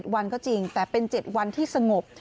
วันก็จริงแต่เป็น๗วันที่สงบ